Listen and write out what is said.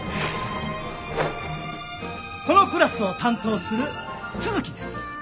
このクラスを担当する都築です。